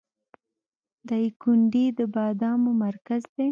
دایکنډي د بادامو مرکز دی